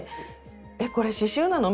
えっこれ刺しゅうなの？